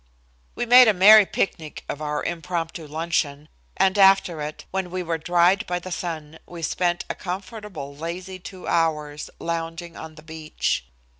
We made a merry picnic of our impromptu luncheon, and after it, when we were dried by the sun, we spent a comfortable lazy two hours lounging on the beach.